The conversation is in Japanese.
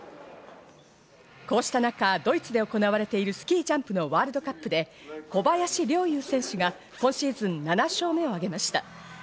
こうした中、ドイツでおこなれているスキージャンプのワールドカップで、小林陵侑選手が今シーズン７勝目を挙げました。